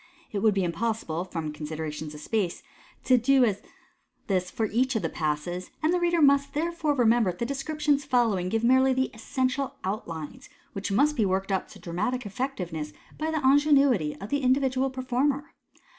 t would be impossible, from considerations of space, to do this as j each of the Passes, and the reader must therefore remember that the descriptions following give merely the essential outlines, which must be worked up to dramatic effectiveness by the ingenuity of the individual performer.